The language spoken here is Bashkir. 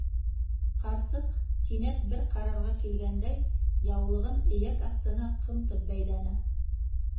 - Ҡарсыҡ, кинәт бер ҡарарға килгәндәй, яулығын эйәк аҫтына ҡымтып бәйләне.